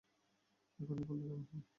এখনই করলে কেমন হয়?